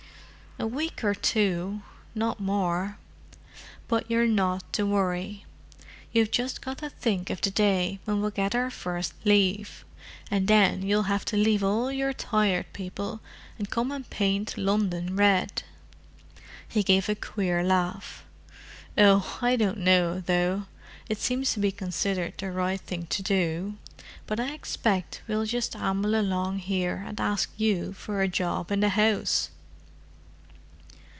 "A week or two—not more. But you're not to worry. You've just got to think of the day when we'll get our first leave—and then you'll have to leave all your Tired People and come and paint London red." He gave a queer laugh. "Oh, I don't know, though. It seems to be considered the right thing to do. But I expect we'll just amble along here and ask you for a job in the house!"